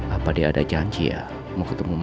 apa dia ada janji ya mengerti ileima elsa